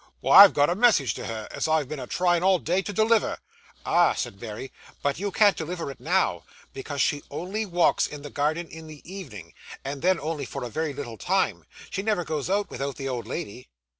Wy, I've got a message to her as I've been a trying all day to deliver.' 'Ah,' said Mary, 'but you can't deliver it now, because she only walks in the garden in the evening, and then only for a very little time; she never goes out, without the old lady.